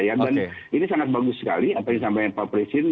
dan ini sangat bagus sekali apa yang sampaikan pak presiden